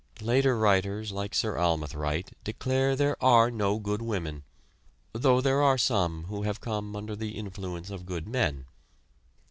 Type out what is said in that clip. Later writers like Sir Almoth Wright declare there are no good women, though there are some who have come under the influence of good men.